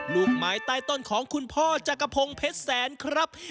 ลูกไม้ใต้ต้นของคุณพ่อจักรพงศ์เพชรแสนครับ